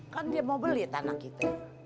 kan dia mau beli tanah itu